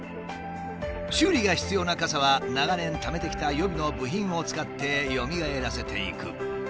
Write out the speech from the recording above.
修理が必要な傘は長年ためてきた予備の部品を使ってよみがえらせていく。